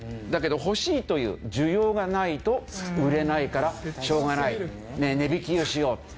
だけど欲しいという需要がないと売れないからしょうがない値引きをしよう。